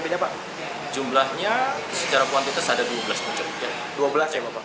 dua belas ya pak oke